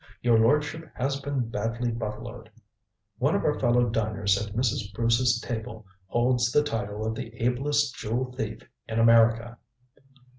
Your lordship has been badly buffaloed. One of our fellow diners at Mrs. Bruce's table holds the title of the ablest jewel thief in America!"